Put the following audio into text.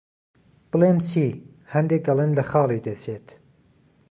بڵێم چی، هەندێک دەڵێن لە خاڵی دەچێت.